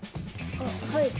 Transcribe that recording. あっはい。